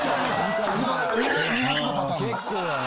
結構やな。